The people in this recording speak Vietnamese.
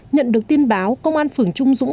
nhận được tin báo công an phường trung dũng